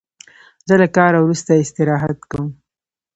زه له کاره وروسته استراحت کوم.